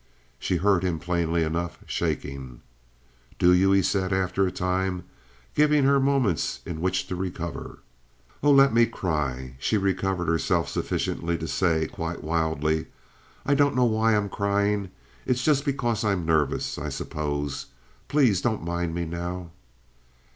She heard him plainly enough, shaking. "Do you?" he said, after a time, giving her moments in which to recover. "Oh, let me cry!" she recovered herself sufficiently to say, quite wildly. "I don't know why I'm crying. It's just because I'm nervous, I suppose. Please don't mind me now."